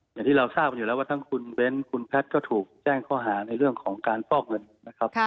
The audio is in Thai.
อย่างที่เราทราบกันอยู่แล้วว่าทั้งคุณเบ้นคุณแพทย์ก็ถูกแจ้งข้อหาในเรื่องของการฟอกเงินนะครับ